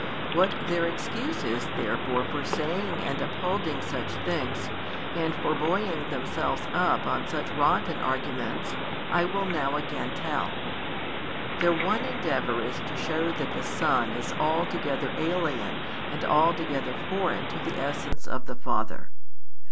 What their excuse is therefore for saying and |284 upholding such things, and for buoying themselves up on such rotten arguments, I will now again tell. Their one endeavour is to show that the Son is altogether alien and altogether foreign to the essence of the Father.